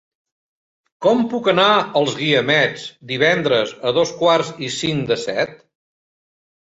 Com puc anar als Guiamets divendres a dos quarts i cinc de set?